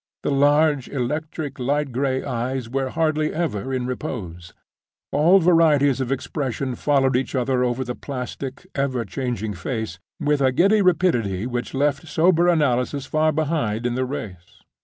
The large, electric, light gray eyes were hardly ever in repose; all varieties of expression followed each other over the plastic, ever changing face, with a giddy rapidity which left sober analysis far behind in the race.